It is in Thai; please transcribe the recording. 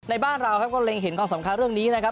ในบ้านเราก็เรียกเห็นความสำคัญเรื่องนี้นะครับ